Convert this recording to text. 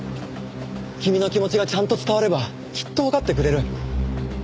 君の気持ちがちゃんと伝わればきっとわかってくれる。